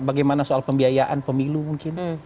bagaimana soal pembiayaan pemilu mungkin